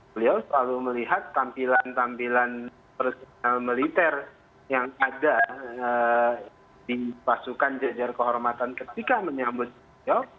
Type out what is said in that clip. beliau selalu melihat tampilan tampilan personal militer yang ada di pasukan jajar kehormatan ketika menyambut beliau